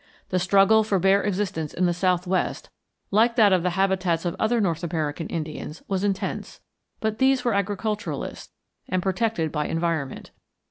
The struggle for bare existence in the southwest, like that of the habitats of other North American Indians, was intense; but these were agriculturalists and protected by environment.